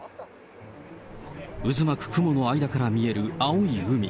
渦巻く雲の間から見える青い海。